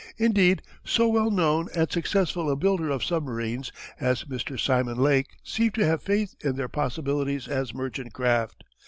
Indeed so well known and successful a builder of submarines as Mr. Simon Lake seemed to have faith in their possibilities as merchant craft.